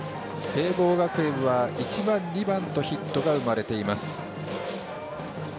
聖望学園は１番、２番とヒットが生まれています。